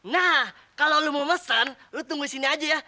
nah kalo lo mau mesen lo tunggu disini aja ya